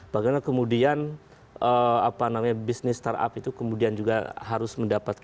karena kemudian apa namanya bisnis start up itu kemudian juga harus menjawab